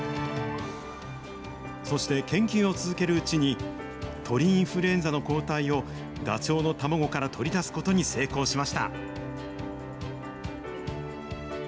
そして研究を続けるうちに、鳥インフルエンザの抗体をダチョウの卵から取り出すことに成功しました。